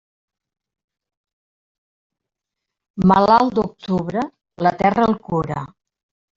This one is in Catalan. Malalt d'octubre, la terra el cura.